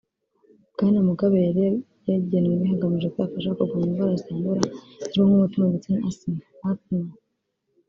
Bwana Mugabe yari yagenwe hagamijwe ko yafasha kurwanya indwara zitandura zirimo nk’umutima ndetse na asima [asthma]